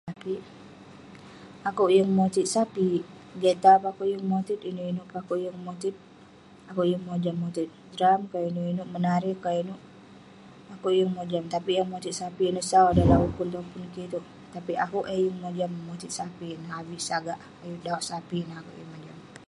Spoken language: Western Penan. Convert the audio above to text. Akouk yeng motit sapik, gitar peh akouk yeng motit, inouk inouk peh akouk yeng motit. Akouk yeng motit drum kah inouk inouk, menari ka inouk. Akouk yeng mojam. Tapik yah motit sapik itouk sau dan ukun topun kik itouk, sapik neh avik sagak. Dauk sapik neh akouk yeng mojam.